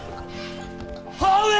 母上！